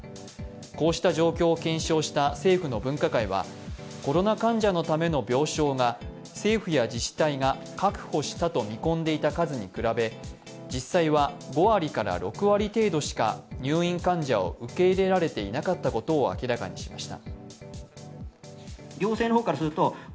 こうした状況を検証した政府の分科会はコロナ患者のための病床が政府や自治体が確保したと見込んでいた数に比べ実際は５割から６割程度しか入院患者を受け入れられていなかったことを明らかにしました。